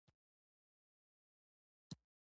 په افغانستان کې ځمکه د خلکو د ژوند په کیفیت تاثیر کوي.